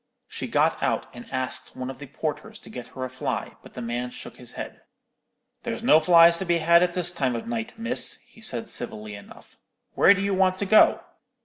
She got out and asked one of the porters to get her a fly; but the man shook his head. "There's no flies to be had at this time of night, miss," he said, civilly enough. "Where do you want to go?"